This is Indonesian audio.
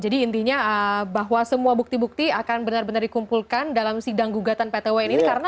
jadi intinya bahwa semua bukti bukti akan benar benar dikumpulkan dalam sidang gugatan pt wn ini karena